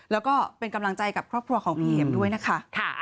แล้วก็เป็นกำลังใจกับครอบครัวของพี่เอ็มด้วยนะคะ